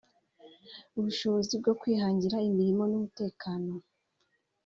ubushobozi bwo kwihangira imirimo n’umutekano